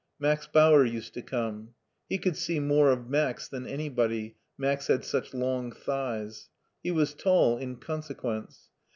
Max Bauer used to come. He could see more of Max than anybody. Max had such long thighs. He was tall in consequence.